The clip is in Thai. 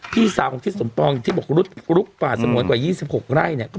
พี่สาวของทิศสมปองอย่างที่บอกลุกป่าสงวนกว่า๒๖ไร่เนี่ย